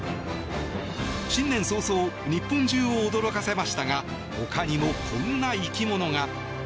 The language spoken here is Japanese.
新年早々日本中を驚かせましたが他にも、こんな生き物が。